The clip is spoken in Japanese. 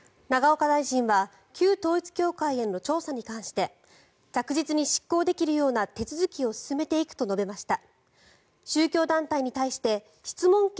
永岡大臣は旧統一教会への調査に関して着実に執行できるような手続きを進めていくと述べました。